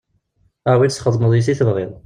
Awi-tt txedmeḍ yes-s i tebɣiḍ.